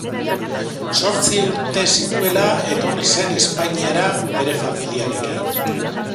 Zortzi urte zituela etorri zen Espainiara bere familiarekin.